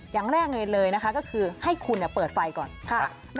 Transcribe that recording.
อย่างแรกเลยนะคะก็คือให้คุณเปิดไฟก่อน